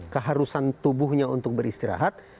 keharusan tubuhnya untuk beristirahat